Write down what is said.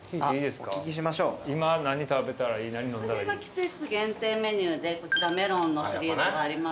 季節限定メニューでこちらメロンのシリーズがありまして。